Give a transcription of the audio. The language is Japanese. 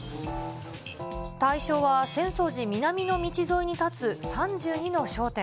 対象は浅草寺南の道沿いに建つ３２の商店。